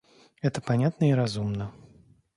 Это понятно и разумно.